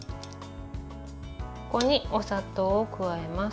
ここにお砂糖を加えます。